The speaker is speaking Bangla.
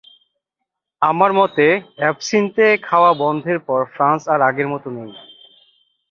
আমার মতে, এবসিন্থে খাওয়া বন্ধের পর ফ্রান্স আর আগের মতো নেই।